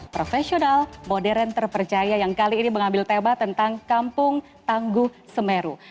profesional modern terpercaya yang kali ini mengambil tema tentang kampung tangguh semeru